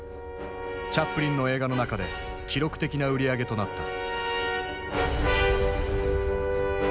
チャップリンの映画の中で記録的な売り上げとなった。